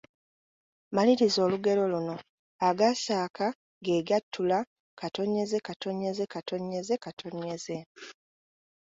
Maliriza olugero luno: Agaasaaka ge gattula, …….